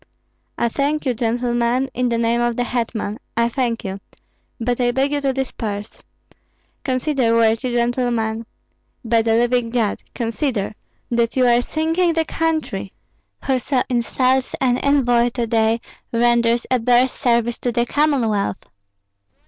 "I thank you, gentlemen, in the name of the hetman, I thank you; but I beg you to disperse. Consider, worthy gentlemen. By the living God, consider that you are sinking the country! Whoso insults an envoy to day, renders a bear's service to the Commonwealth."